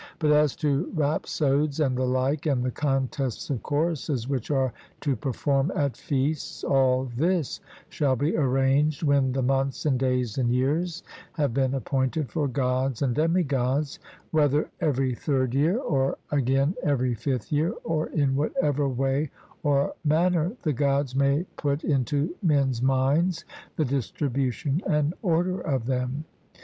But as to rhapsodes and the like, and the contests of choruses which are to perform at feasts, all this shall be arranged when the months and days and years have been appointed for Gods and demi gods, whether every third year, or again every fifth year, or in whatever way or manner the Gods may put into men's minds the distribution and order of them.